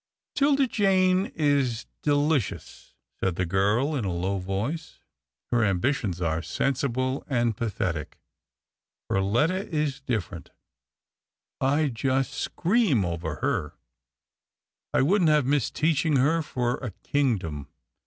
" 'Tilda Jane is delicious," said the girl in a low voice. " Her ambitions are sensible and pathetic. Perletta is different. I just scream over her. I wouldn't have missed teaching her for a kingdom.